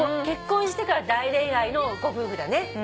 結婚してから大恋愛のご夫婦だね。